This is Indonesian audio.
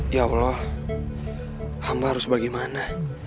ya allah hamba harus bagaimana